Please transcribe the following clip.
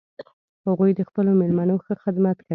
هغوی د خپلو میلمنو ښه خدمت کوي